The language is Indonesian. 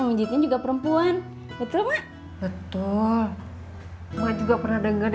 pijit gak bikin batal kok pok